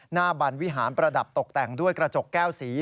บันวิหารประดับตกแต่งด้วยกระจกแก้วสี